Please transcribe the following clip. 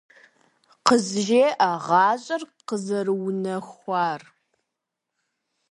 КъызжеӀэ гъащӀэр къызэрыунэхуар!